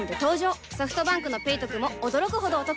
ソフトバンクの「ペイトク」も驚くほどおトク